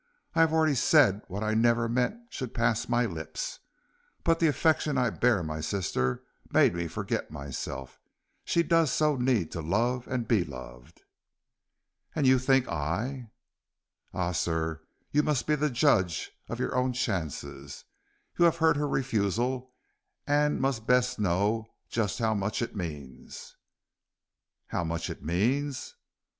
I have already said what I never meant should pass my lips; but the affection I bear my sister made me forget myself; she does so need to love and be loved." "And you think I " "Ah, sir, you must be the judge of your own chances. You have heard her refusal and must best know just how much it means." "How much it means!"